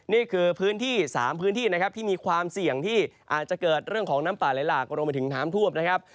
นี่คือ๓พื้นที่ที่มีความเสี่ยงที่อาจจะเกิดเรื่องของน้ำป่าไล่หล่ากลงไปถึงถามทวบ